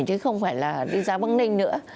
chứ không phải là đi ra bắc ninh nữa